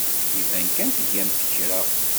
Iban kan tgamt kra.